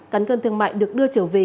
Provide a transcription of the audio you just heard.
cán cân thương mại được đưa trở về